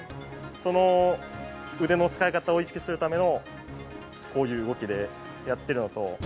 その腕の使い方を意識するためのこういう動きでやってるのと。